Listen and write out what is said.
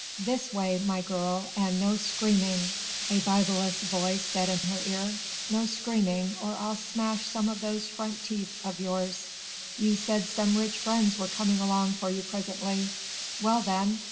"This way, my girl, and no screaming," a bibulous voice said in her ear, "no screaming, or I'll smash some of those front teeth of yours. You said some rich friends were coming along for you presently. Well then!